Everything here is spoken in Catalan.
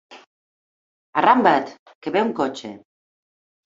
Arramba't, que ve un cotxe.